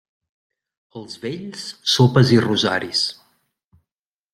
Als vells, sopes i rosaris.